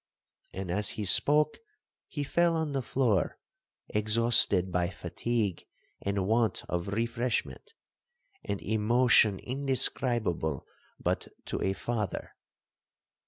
and as he spoke he fell on the floor, exhausted by fatigue and want of refreshment, and emotion indescribable but to a father.